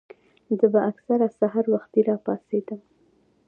زۀ به اکثر سحر وختي راپاسېدم